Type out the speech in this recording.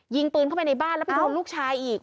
ยิงปืนเข้าไปในบ้านแล้วไปโดนลูกชายอีก